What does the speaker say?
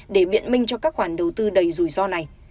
để biện minh cho các khoản đầu tư đầy rủi ro này